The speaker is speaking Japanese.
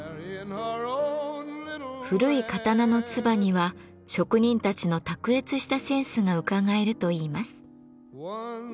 古い刀の鐔には職人たちの卓越したセンスがうかがえるといいます。